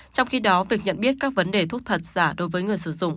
trong khi đó việc nhận biết các vấn đề thuốc thật giả đối với người sử dụng